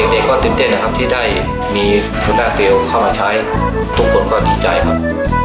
เด็กก็ตื่นเต้นนะครับที่ได้มีทูน่าเซลเข้ามาใช้ทุกคนก็ดีใจครับ